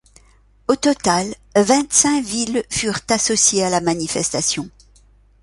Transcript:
Au total, vingt-cinq villes furent associées à la manifestation.